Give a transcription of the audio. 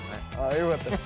よかったです。